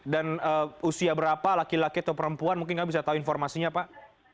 dan usia berapa laki laki atau perempuan mungkin nggak bisa tahu informasinya pak